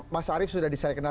mas arief sudah saya kenal